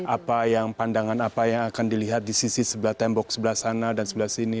apa yang pandangan apa yang akan dilihat di sisi sebelah tembok sebelah sana dan sebelah sini